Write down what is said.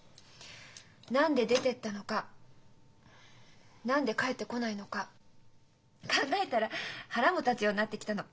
何で出てったのか何で帰ってこないのか考えたら腹も立つようになってきたの。